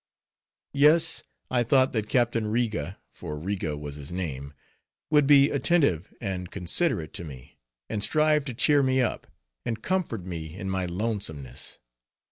Yes, I thought that Captain Riga, for Riga was his name, would be attentive and considerate to me, and strive to cheer me up, and comfort me in my lonesomeness.